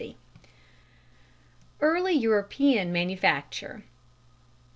] _Early European Manufacture.